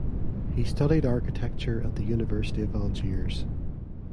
He studied architecture at the University of Algiers.